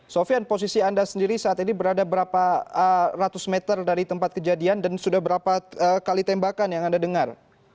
sofian posisi anda sendiri saat ini berada berapa ratus meter dari tempat kejadian dan sudah berapa kali tembakan yang anda dengar